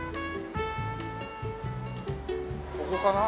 ここかな？